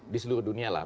di seluruh dunia lah